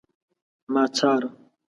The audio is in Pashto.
ما څاره